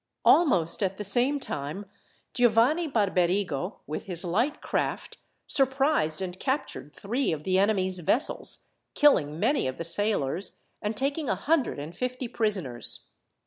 Almost at the same time, Giovanni Barberigo, with his light craft, surprised and captured three of the enemy's vessels, killing many of the sailors, and taking a hundred and fifty prisoners.